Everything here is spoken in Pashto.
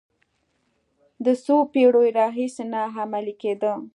د څو پېړیو راهیسې نه عملي کېده.